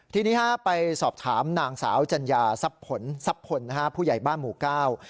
ทีนี้ไปสอบถามนางสาวจัญญาซับผลผู้ใหญ่บ้านหมู่ก้าว